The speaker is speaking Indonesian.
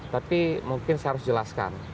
tapi mungkin saya harus jelaskan